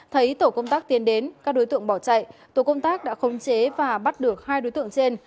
thấy tổ công tác tiến đến các đối tượng bỏ chạy tổ công tác đã khống chế và bắt được hai đối tượng trên